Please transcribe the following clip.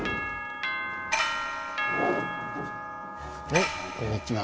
はいこんにちは。